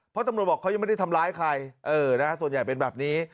เพราะตำรวจบอกเขายังไม่ได้ทำร้ายใครส่วนใหญ่เป็นแบบนี้